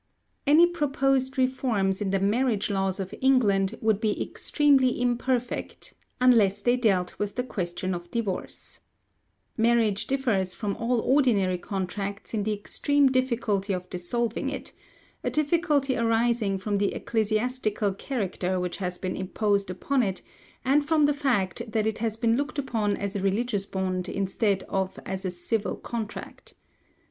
|Any proposed reforms in the marriage laws of England would be extremely imperfect, unless they dealt with the question of divorce. Marriage differs from all ordinary contracts in the extreme difficulty of dissolving it a difficulty arising from the ecclesiastical character which has been imposed upon it, and from the fact that it has been looked upon as a religious bond instead of as a civil contract.